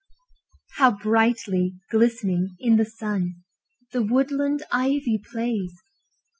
How brightly glistening in the sun The woodland ivy plays!